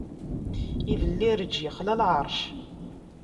Ibellireǧ ixla lɛeṛc.